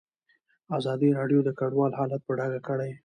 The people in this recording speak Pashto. ازادي راډیو د کډوال حالت په ډاګه کړی.